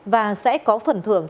và sẽ có phần thưởng